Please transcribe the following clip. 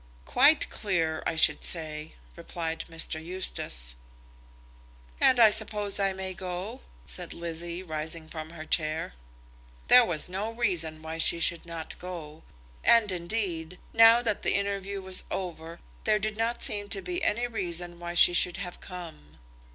"Quite clear, I should say," replied Mr. Eustace. "And I suppose I may go," said Lizzie, rising from her chair. There was no reason why she should not go; and, indeed, now that the interview was over, there did not seem to be any reason why she should have come.